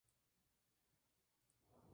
No obstante Solís votaría el proyecto a favor.